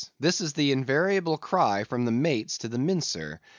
This is the invariable cry from the mates to the mincer.